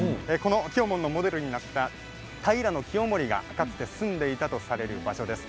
きよもんのモデルになった平清盛がかつて住んでいたとされる場所です。